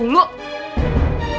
uangnya di ambil aida